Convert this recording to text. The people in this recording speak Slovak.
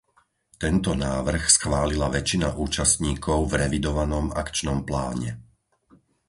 Tento návrh schválila väčšina účastníkov v revidovanom akčnom pláne.